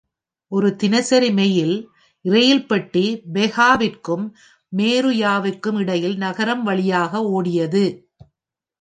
ஒரு தினசரி மெயில் இரயில்பெட்டி பெகாவிற்கும் மோருயாவிற்கும் இடையில் நகரம் வழியாக ஓடியது.